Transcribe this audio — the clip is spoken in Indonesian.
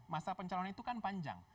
masa pencalonan itu kan panjang